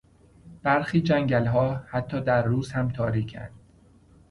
برخی جنگلها حتی در روز هم تاریکاند.